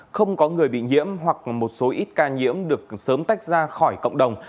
không có người bị nhiễm hoặc một số ít ca nhiễm được sớm tách ra khỏi cộng đồng